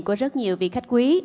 của rất nhiều vị khách quý